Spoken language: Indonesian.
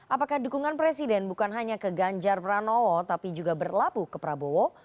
apakah dukungan presiden bukan hanya ke ganjar pranowo tapi juga berlabuh ke prabowo